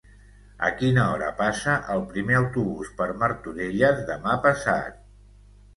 A quina hora passa el primer autobús per Martorelles demà passat?